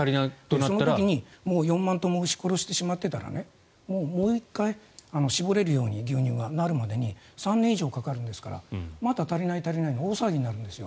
その時にもう４万頭も牛を殺してしまっていたらもう１回牛乳が搾れるようになるまでに３年以上かかるんですからまた足りない、足りないって大騒ぎになるんです。